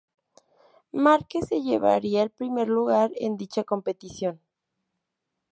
Márquez se llevaría el primer lugar en dicha competición.